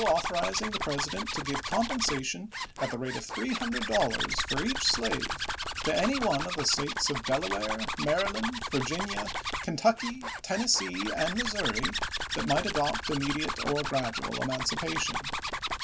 authorizing the President to give compensation at the rate of three hundred dollars for each slave to any one of the States of Delaware, Maryland, Vir ginia, Kentucky, Tennessee, and Missouri that might adopt immediate or gradual emancipation.